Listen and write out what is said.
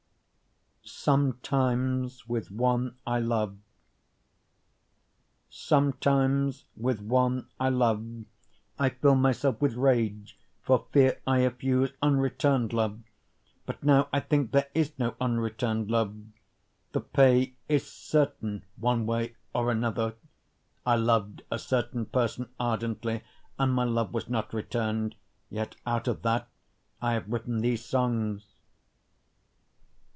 Sometimes with One I Love Sometimes with one I love I fill myself with rage for fear I effuse unreturn'd love, But now I think there is no unreturn'd love, the pay is certain one way or another, (I loved a certain person ardently and my love was not return'd, Yet out of that I have written these songs.)